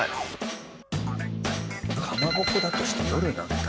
かまぼこだとして夜なんだ。